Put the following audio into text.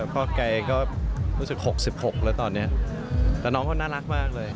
แกก็รู้สึก๖๖แล้วตอนนี้แต่น้องเขาน่ารักมากเลย